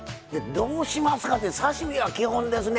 どうしますかって刺身は基本ですね